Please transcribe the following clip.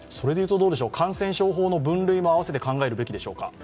感染症法の分類もあわせて考えるべきでしょうか？